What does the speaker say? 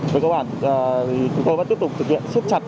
với cơ bản chúng tôi vẫn tiếp tục thực hiện xếp chặt